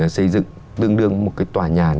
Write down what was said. xây dựng tương đương một cái tòa nhà